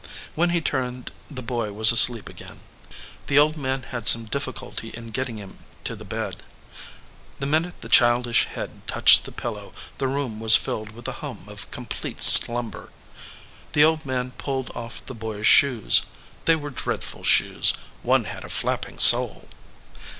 When he turned the boy was asleep again. The old man had some difficulty in getting him to the bed. The minute the childish head touched the pil low the room was filled with the hum of complete slumber. The old man pulled off the boy s shoes. They were dreadful shoes; one had a flapping sole.